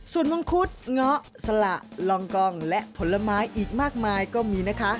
ส่วนมังคุดเงาะสละลองกองและผลไม้อีกมากมายก็มีนะคะ